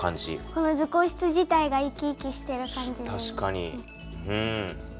この図工室自体が生き生きしてる感じに見える。